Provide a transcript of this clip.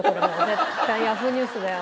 絶対Ｙａｈｏｏ！ニュースだよ